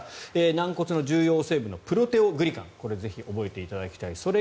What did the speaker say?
軟骨の重要成分のプロテオグリカンこれ、ぜひ覚えていただきたい。